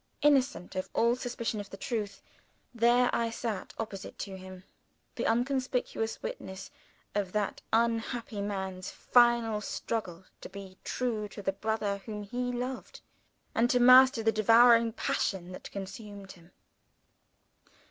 Innocent of all suspicion of the truth, there I sat opposite to him, the unconscious witness of that unhappy man's final struggle to be true to the brother whom he loved, and to master the devouring passion that consumed him.